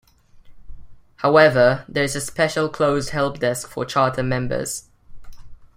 However, there is a special closed helpdesk for Charter Members.